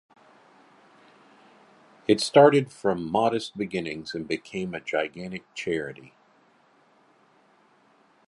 "It started from modest beginnings and became a gigantic charity".